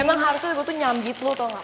emang harusnya gue tuh nyambit lo tau gak